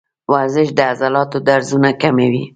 ورزش د عضلاتو درزونه کموي.